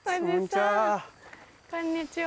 こんにちは。